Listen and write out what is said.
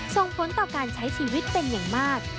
ส่งผลต่อการใช้ชีวิตเป็นอย่างมาก